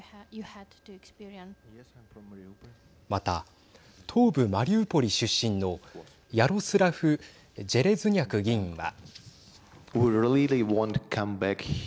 また、東部マリウポリ出身のヤロスラフ・ジェレズニャク議員は。